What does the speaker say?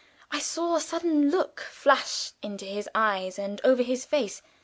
I saw a sudden look flash into his eyes and over his face.